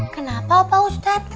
kenapa pak ustadz